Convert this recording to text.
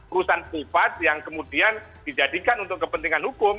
urusan kupat yang kemudian dijadikan untuk kepentingan hukum